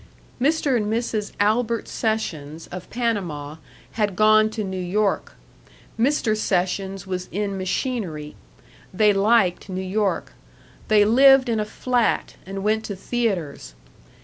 Mr. and Mrs. Albert Sessions, of Panama, had gone to New York. Mr. Sessions was in machinery. They liked New York. They lived in a flat and went to theaters.